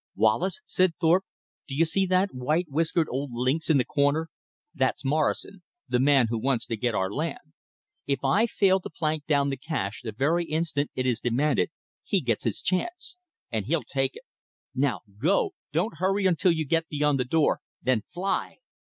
"Wallace," said Thorpe, "do you see that white whiskered old lynx in the corner? That's Morrison, the man who wants to get our land. If I fail to plank down the cash the very instant it is demanded, he gets his chance. And he'll take it. Now, go. Don't hurry until you get beyond the door: then FLY!"